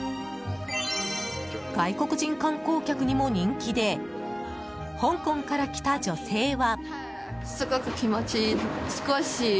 外国人観光客にも人気で香港から来た女性は。